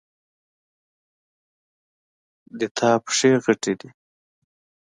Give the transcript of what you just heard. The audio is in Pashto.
د تا پښې غټي دي